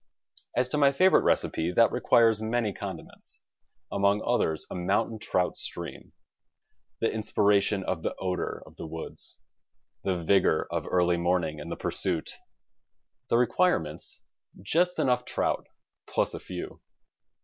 As to my favorite recipe, that requires many condi ments, among others a mountain trout stream; the in spiration of the odor of the woods; the vigor of early morning and the pursuit. The requirements, just enough trout plus a few.